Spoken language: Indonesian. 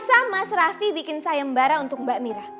sama mas raffi bikin sayembara untuk mbak mira